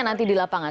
nanti di lapangan